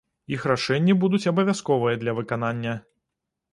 Іх рашэнні будуць абавязковыя для выканання.